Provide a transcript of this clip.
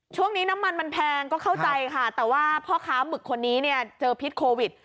ช่วงนี้น้ำมันมันแพงก็เข้าใจค่ะแต่ว่าพ่อค้าหมึกคนนี้เนี่ยเจอพิษโควิด